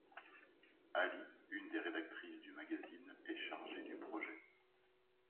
Hallie, une des rédactrices du magazine, est chargée du projet…